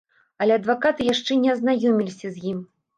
Але адвакаты яшчэ не азнаёміліся з ім.